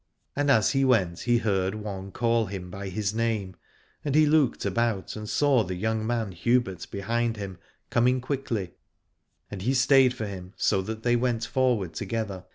And as he went he heard one call him by his name, and he looked about and saw the young man Hubert behind him coming quickly, and he stayed for him so that they went forward together.